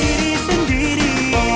juara dua start